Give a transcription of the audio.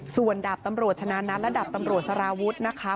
ส่วนดาบตำรวจชนะนัทและดาบตำรวจสารวุฒินะคะ